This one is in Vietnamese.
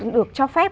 được cho phép